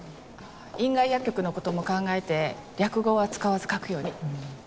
院外薬局のことも考えて略語は使わず書くように。